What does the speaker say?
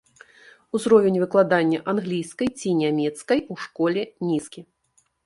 Узровень выкладання англійскай ці нямецкай у школе нізкі.